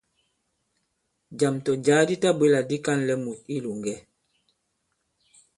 Jàm tɔ̀ jǎ di tabwě là di ka᷇nlɛ mùt i ilòŋgɛ.